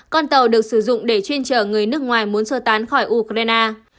con tàu được sử dụng để chuyên chở người nước ngoài muốn sơ tán khỏi ukraine